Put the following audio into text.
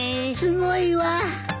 すごいわ。